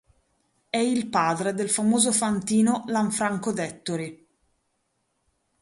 È il padre del famoso fantino Lanfranco Dettori.